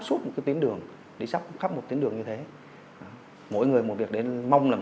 suốt một cái tuyến đường đi sắp khắp một tuyến đường như thế mỗi người một việc đến mong là